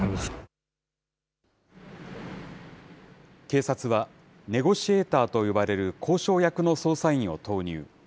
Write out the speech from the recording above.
警察は、ネゴシエーターと呼ばれる交渉役の捜査員を投入。